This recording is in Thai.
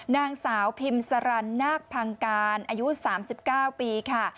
นางสาวพิมสรรนาคพังการอายุ๓๙ปีค่ะ